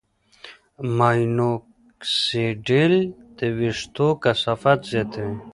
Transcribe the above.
ماینوکسیډیل د وېښتو کثافت زیاتوي.